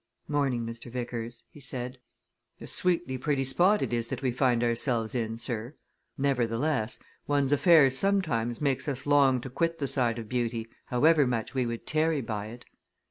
"Morning, Mr. Vickers," he said. "A sweetly pretty spot it is that we find ourselves in, sir nevertheless, one's affairs sometimes makes us long to quit the side of beauty, however much we would tarry by it!